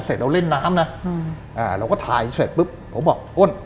เสร็จเราเล่นน้ำนะอืมอ่าเราก็ถ่ายเสร็จปุ๊บผมบอกอ้น